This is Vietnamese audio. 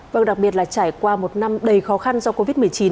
vâng đặc biệt là trải qua một năm đầy khó khăn do covid một mươi chín